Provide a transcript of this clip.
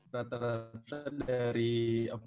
rata rata dari apa